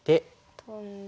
トンで。